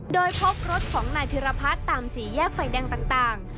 โดยพบรถของนายพิรพัฒน์ตามสี่แยกไฟแดงต่าง